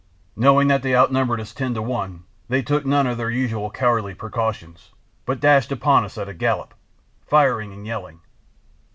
Knowing that they outnumbered us ten to one, they took none of their usual cowardly precautions, but dashed upon us at a gallop, firing and yelling.